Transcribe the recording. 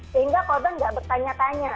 sehingga korban nggak bertanya tanya